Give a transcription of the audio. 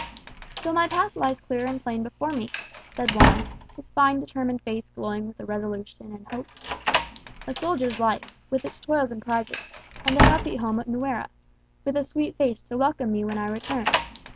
"So my path lies clear and plain before me," said Juan, his fine determined face glowing with resolution and hope. "A soldier's life, with its toils and prizes; and a happy home at Nuera, with a sweet face to welcome me when I return.